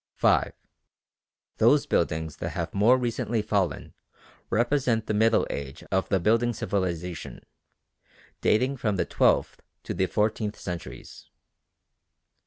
5. Those buildings that have more recently fallen represent the middle age of the building civilisation, dating from the twelfth to the fourteenth centuries.